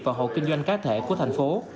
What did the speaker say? và hộ kinh doanh cá thể của thành phố